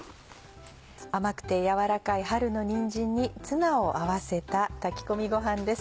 甘くて柔らかい春のにんじんにツナを合わせた炊き込みごはんです。